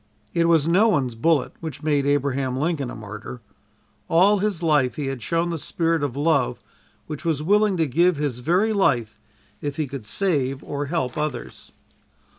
It was no one's bullet which made Abraham Lincoln a martyr. All his life he had shown the spirit of love which was willing to give his very life if it could save or help others.